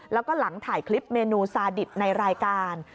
แล้วก็หลังถ่ายคลิปเมนูซาดิบในรายการ